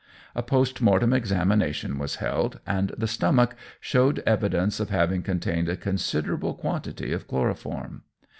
A post mortem examination was held, and the stomach showed evidence of having contained a considerable quantity of chloroform.